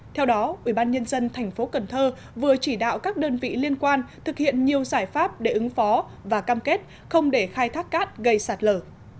theo đó ubnd tp cần thơ vừa chỉ đạo các đơn vị liên quan thực hiện nhiều giải pháp để ứng phó và cam kết không để khai thác cát gây sạt lở